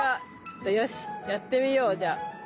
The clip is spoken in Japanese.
よしやってみようじゃあ。